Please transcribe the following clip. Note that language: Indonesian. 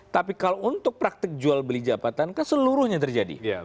tapi kalau untuk praktik jual beli jabatan kan seluruhnya terjadi